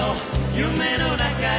「夢の中へ」